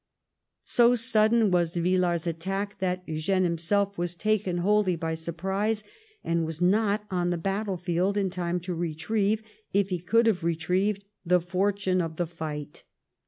So sudden was Villars' attack that Eugene himself was taken wholly by surprise, and was not on the battlefield in time to retrieve, if it could be retrieved, the fortune of that fight.